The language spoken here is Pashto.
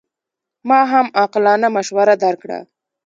ما هم عاقلانه مشوره درکړه.